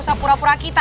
usah pura pura kita